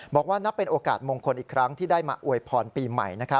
บอกว่านับเป็นโอกาสมงคลอีกครั้งที่ได้มาอวยพรปีใหม่